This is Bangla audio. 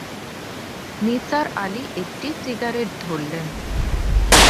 নিসার আলি একটি সিগারেট ধরলেন।